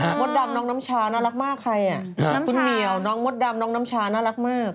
มดดำน้องน้ำชาน่ารักมากใครอ่ะคุณเหมียวน้องมดดำน้องน้ำชาน่ารักมาก